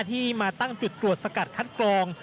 ที่มาตั้งจุดตรวจสกัดคัดกรอง